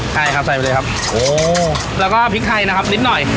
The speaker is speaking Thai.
ใช่ครับใส่ไปเลยครับโอ้แล้วก็พริกไทยนะครับนิดหน่อย